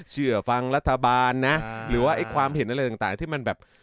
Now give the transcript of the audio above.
เชื่อฟังรัฐบาลนะหรือว่าไอ้ความเห็นอะไรต่างที่มันแบบ